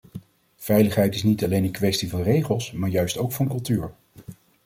Veiligheid is niet alleen een kwestie van regels maar juist ook van cultuur.